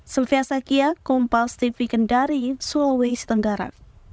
sylvia sakia kompas tv kendari sulawesi tenggara